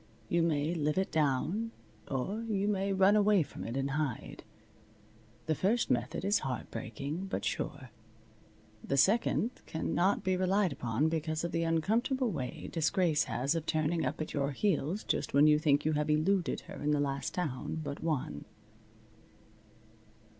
You may live it down; or you may run away from it and hide. The first method is heart breaking, but sure. The second cannot be relied upon because of the uncomfortable way Disgrace has of turning up at your heels just when you think you have eluded her in the last town but one.